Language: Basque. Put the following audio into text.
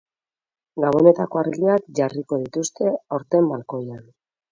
Gabonetako argiak jarriko dituzte aurten balkoian.